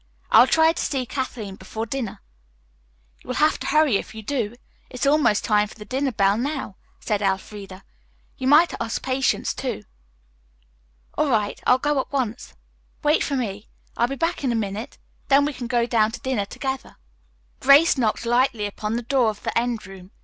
I will try to see Kathleen before dinner." "You will have to hurry if you do. It is almost time for the dinner bell now," said Elfreda. "You might ask Patience, too." "All right, I'll go at once. Wait for me. I'll be back in a minute. Then we can go down to dinner together." Grace knocked lightly upon the door of the end room.